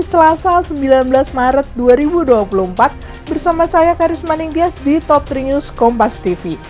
selasa sembilan belas maret dua ribu dua puluh empat bersama saya karisma ningtyas di top tiga kompas tv